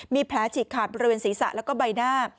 มีแผลฉีกขาดบริเวณศีรษะแล้วก็ใบหน้า